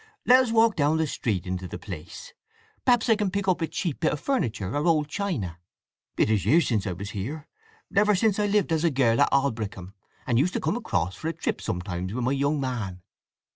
Let us walk down the street into the place. Perhaps I can pick up a cheap bit of furniture or old china. It is years since I was here—never since I lived as a girl at Aldbrickham, and used to come across for a trip sometimes with my young man."